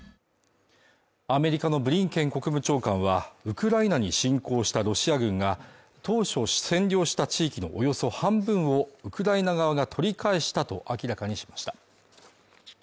アメリカのブリンケン国務長官はウクライナに侵攻したロシア軍が当初占領した地域のおよそ半分をウクライナ側が取り返したと明らかにしました